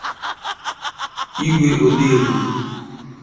Igwe Odegbo